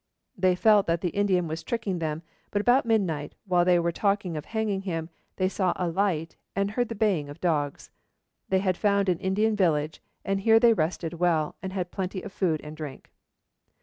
They felt that the Indian was tricking them, but about midnight, while they were talking of hanging him, they saw a light and heard the baying of dogs. They had found an Indian village, and here they rested well, and had plenty of food and drink.